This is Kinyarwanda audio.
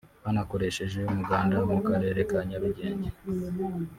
Banakoresheje umuganda mu karere ka Nyarugenge